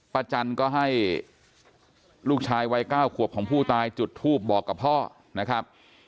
จันก็ให้ลูกชายวัย๙ขวบของผู้ตายจุดทูบบอกกับพ่อนะครับ